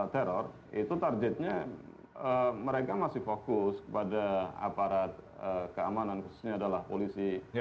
teror itu targetnya mereka masih fokus kepada aparat keamanan khususnya adalah polisi